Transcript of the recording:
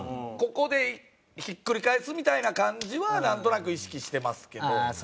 ここでひっくり返すみたいな感じはなんとなく意識してますけど。